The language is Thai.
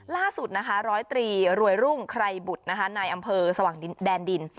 ล่าสุดนะคะร้อยตรีรวยรุ่งใครบุตรนายอำเภอสว่างแดนดิน